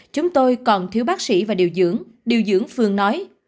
chúng tôi còn thiếu bác sĩ và điều dưỡng điều dưỡng phương nói